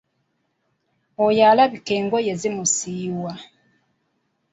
Oyo alabika engoye zimusiiwa.